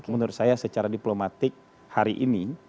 menurut saya secara diplomatik hari ini